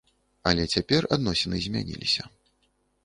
Але цяпер адносіны змяніліся.